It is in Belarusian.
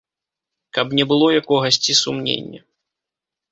Каб не было якогасьці сумнення.